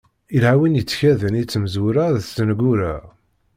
Ilha win yettkaden i tmezwura d tneggura.